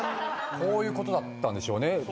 こういうことだったんでしょうね。